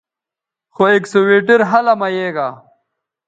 خو اکسویٹر ھلہ مہ یے گا